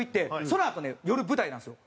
そのあとね夜舞台なんですよ。